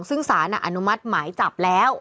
ซึ่งสารอนุมัติหมายจับแล้ว